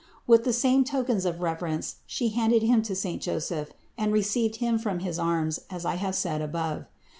With the same tokens of reverence She handed Him to saint Joseph and received Him from his arms, as I have said above.